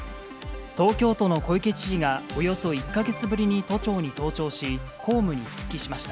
東京都の小池知事が、およそ１か月ぶりに都庁に登庁し、公務に復帰しました。